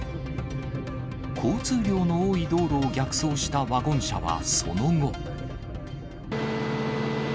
交通量の多い道路を逆走したワゴン車はその後。